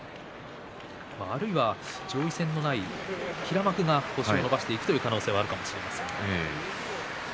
あるいは上位戦のない平幕が星を伸ばしていく可能性はあるかもしれません。